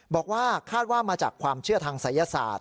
บอกว่าคาดว่ามาจากความเชื่อทางศัยศาสตร์